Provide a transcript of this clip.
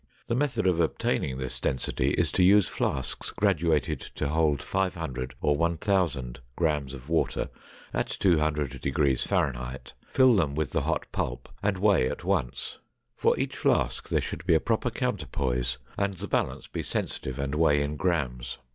The method of obtaining this density is to use flasks graduated to hold 500 or 1000 grams of water at 200 degrees F., fill them with the hot pulp and weigh at once. For each flask there should be a proper counterpoise, and the balance be sensitive and weigh in grams.